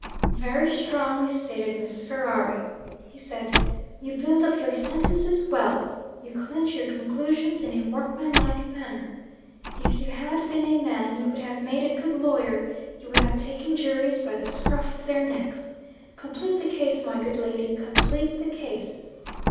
'Very strongly stated, Mrs. Ferrari,' he said. 'You build up your sentences well; you clinch your conclusions in a workmanlike manner. If you had been a man, you would have made a good lawyer you would have taken juries by the scruff of their necks. Complete the case, my good lady complete the case.